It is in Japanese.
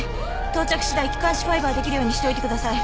到着しだい気管支ファイバーできるようにしておいてください。